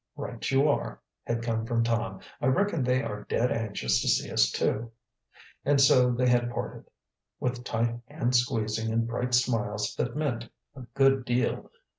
"Right you are," had come from Tom. "I reckon they are dead anxious to see us, too." And so they had parted, with tight hand squeezing and bright smiles that meant a good deal.